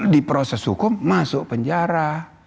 di proses hukum masuk penjara